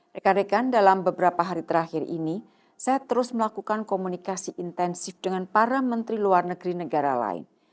rekan rekan dalam beberapa hari terakhir ini saya terus melakukan komunikasi intensif dengan para menteri luar negeri negara lain